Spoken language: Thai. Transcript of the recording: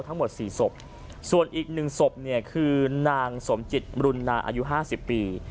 ทั้งหมด๔ศพส่วนอีกหนึ่งศพเนี่ยคือนางสมจิตรุณาอายุ๕๐ปี